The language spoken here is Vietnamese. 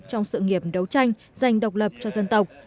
trong sự nghiệp đấu tranh dành độc lập cho dân tộc